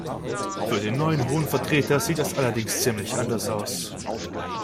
Für den neuen Hohen Vertreter sieht das allerdings ziemlich anders aus.